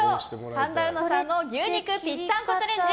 神田うのさんの牛肉ぴったんこチャレンジ